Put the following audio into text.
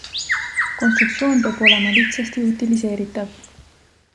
Konstruktisoon peab olema lihtsasti utiliseeritav.